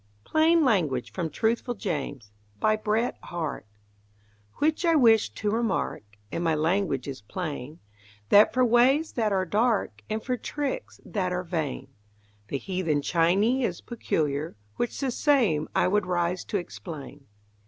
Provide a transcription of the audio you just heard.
PLAIN LANGUAGE FROM TRUTHFUL JAMES BY BRET HARTE Which I wish to remark And my language is plain That for ways that are dark, And for tricks that are vain, The heathen Chinee is peculiar, Which the same I would rise to explain.